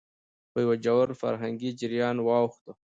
په يوه ژور فرهنګي جريان واوښت،